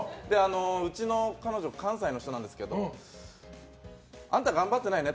うちの彼女関西の人なんですけどあんた頑張ってないよね。